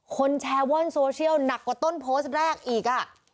คนแชร์ว่อนโซเชียลหนักกว่าต้นโพสต์แรกอีกอ่ะ